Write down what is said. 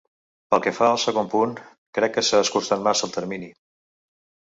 Pel que fa al segon punt, crec que s’ha escurat massa el termini.